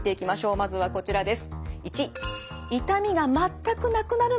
まずはこちらです。